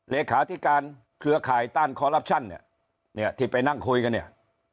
เลขาธิการเครือข่ายต้านคอลลับชั่นเนี่ยเนี่ยที่ไปนั่งคุยกันเนี่ย